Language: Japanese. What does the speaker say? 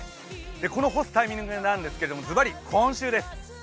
この干すタイミングなんですけどズバリ、今週です。